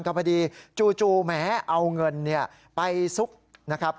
แต่พอดีจู่แหมเอาเงินไปซุกนะครับ